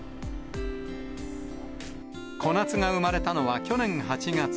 コナツが産まれたのは去年８月。